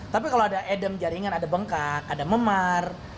tapi kalau ada edem jaringan ada bengkak ada memar